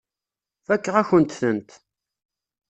Fakeɣ-akent-tent.